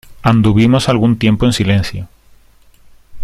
anduvimos algún tiempo en silencio: